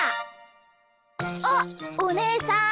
あっおねえさん。